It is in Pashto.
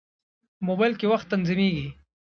موبایل کې وخت تنظیمېږي.